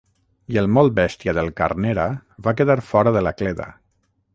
I el molt bèstia del Carnera va quedar fora de la cleda.